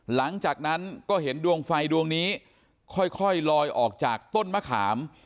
หลังจากนั้นก็เห็นดวงไฟดวงนี้ค่อยลอยออกจากต้นมะขาม